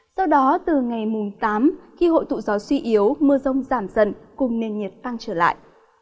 sau đó từ ngày mùng tám khi hội tụ gió suy yếu mưa rông giảm dần cùng nền nhiệt tăng trở lại